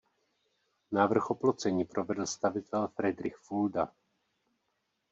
Návrh oplocení provedl stavitel Fridrich Fulda.